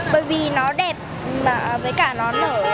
bởi vì nó đẹp với cả nó nở